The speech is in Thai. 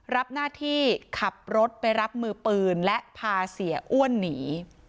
รับหน้าที่ขับรถไปรับมือปืนและพาเสียอ้วนหนี